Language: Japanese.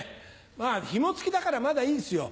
まぁひも付きだからまだいいんですよ。